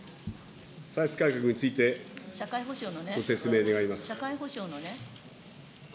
歳出改革について、説明願います。